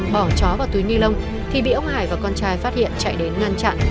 bỏ chó vào túi ni lông thì bị ông hải và con trai phát hiện chạy đến ngăn chặn